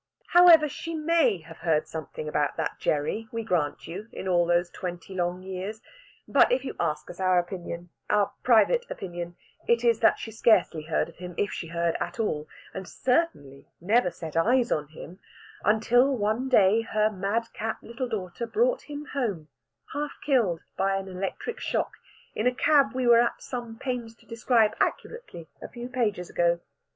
However, she may have heard something about that Gerry, we grant you, in all those twenty long years. But if you ask us our opinion our private opinion it is that she scarcely heard of him, if she heard at all, and certainly never set eyes on him, until one day her madcap little daughter brought him home, half killed by an electric shock, in a cab we were at some pains to describe accurately a few pages ago.